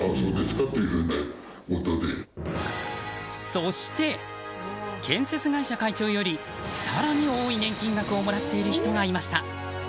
そして、建設会社会長より更に多い年金額をもらっている人がいました。